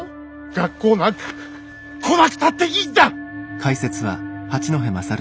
学校なんか来なくたっていいんだ！